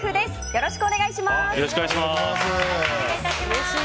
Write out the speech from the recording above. よろしくお願いします。